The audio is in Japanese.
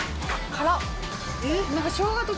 辛っ。